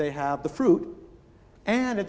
dan pada saat yang sama